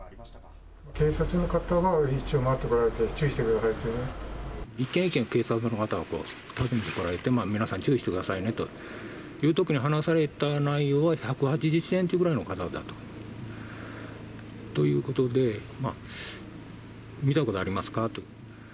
警察の方が一応、回ってこられて、一軒一軒、警察の方が訪ねてこられて、皆さん、注意してくださいねと、言うときに話された内容は、１８０センチぐらいの方だということで、見たことありますかと。